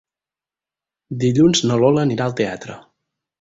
Dilluns na Lola anirà al teatre.